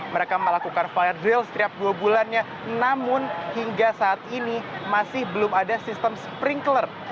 mereka melakukan fire drill setiap dua bulannya namun hingga saat ini masih belum ada sistem sprinkler